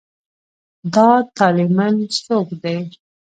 دا طالېمن څوک دی.